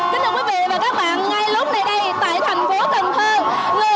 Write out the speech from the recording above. kính chào quý vị và các bạn ngay lúc này đây tại thành phố cần thơ